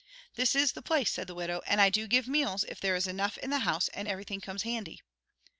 "This is the place," said the widow, "and I do give meals if there is enough in the house and everything comes handy."